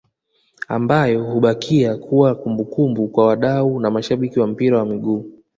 ambayo hubakia kuwa kumbukumbu kwa wadau na mashabiki wa mpira wa miguu